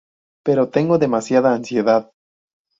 Pero tengo demasiada ansiedad.